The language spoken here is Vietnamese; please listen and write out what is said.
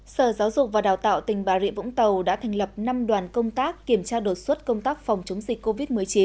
sở giáo dục và đào tạo tỉnh bà rịa vũng tàu đã thành lập năm đoàn công tác kiểm tra đột xuất công tác phòng chống dịch covid một mươi chín